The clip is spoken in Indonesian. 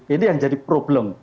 ini yang jadi problem